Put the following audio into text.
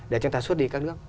để chúng ta xuất đi các nước